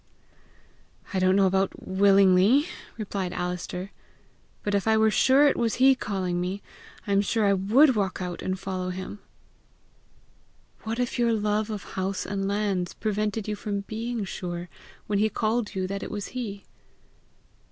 "I don't know about willingly," replied Alister, "but if I were sure it was he calling me, I am sure I would walk out and follow him." "What if your love of house and lands prevented you from being sure, when he called you, that it was he?"